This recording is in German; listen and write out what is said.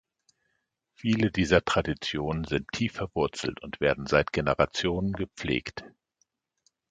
Viele dieser Traditionen sind tief verwurzelt und werden seit Generationen gepflegt.